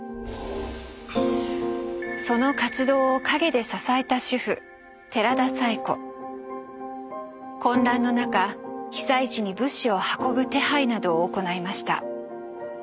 その活動を陰で支えた混乱の中被災地に物資を運ぶ手配などを行いました。